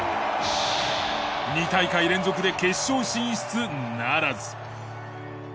２大会連続で決勝進出ならず。